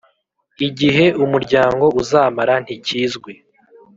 Igihe umuryango uzamara ntikizwi